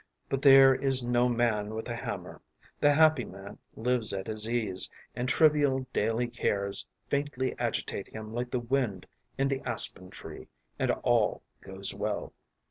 But there is no man with a hammer; the happy man lives at his ease, and trivial daily cares faintly agitate him like the wind in the aspen tree and all goes well.